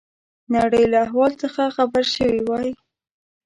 نړۍ له احوال څخه خبر شوي وای.